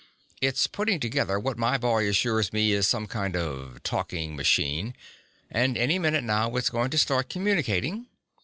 It's putting together what my boy assures me is some kind of talking machine, and any minute now it's going to start communicating.